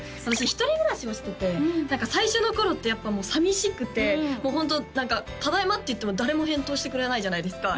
一人暮らしをしてて最初の頃ってやっぱもう寂しくてもうホント何か「ただいま」って言っても誰も返答してくれないじゃないですか